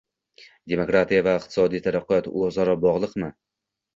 Demokratiya va iqtisodiy taraqqiyot oʻzaro bogʻliqmi?